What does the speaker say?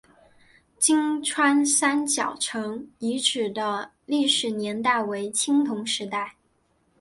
金川三角城遗址的历史年代为青铜时代。